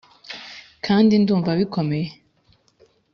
kandi ndumva bikomeye